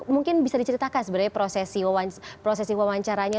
mungkin bisa diceritakan sebenarnya prosesi wawancaranya